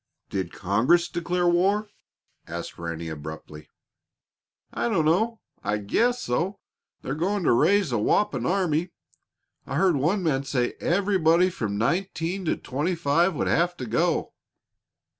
"Did Congress declare war?" asked Ranny, abruptly. "I dunno; I guess so. They're going to raise a whopping army. I heard one man say everybody from nineteen to twenty five would have to go."